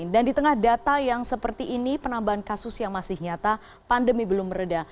dan di tengah data yang seperti ini penambahan kasus yang masih nyata pandemi belum meredah